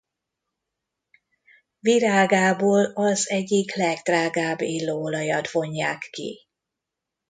Virágából az egyik legdrágább illóolajat vonják ki.